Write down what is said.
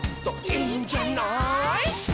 「いいんじゃない」